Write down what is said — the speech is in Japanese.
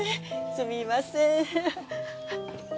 すみません。